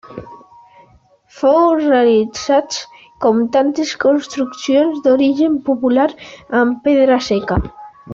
Fou realitzat, com tantes construccions d'origen popular, amb pedra seca.